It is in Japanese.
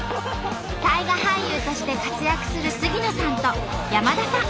大河俳優として活躍する杉野さんと山田さん。